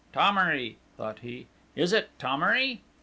"Thomery!" thought he. "Is it Thomery?"